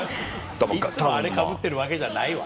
いつもあれかぶってるわけじゃないわ。